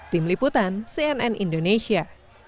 tim liputan cnn indonesia